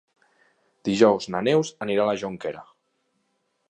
Dijous na Neus anirà a la Jonquera.